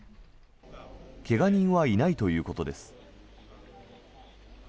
怪我人はいないということです。